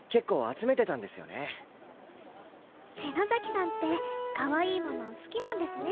さんってかわいいもの好きなんですね。